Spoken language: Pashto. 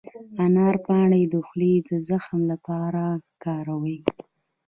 د انار پاڼې د خولې د زخم لپاره وکاروئ